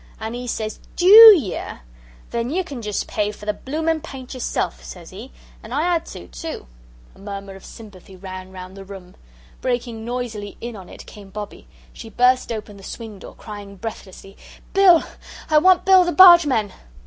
An' he says, 'DEW yer? Then ye can just pay for the bloomin' paint yerself,' says he. An' I 'ad to, too." A murmur of sympathy ran round the room. Breaking noisily in on it came Bobbie. She burst open the swing door crying breathlessly: "Bill! I want Bill the Bargeman."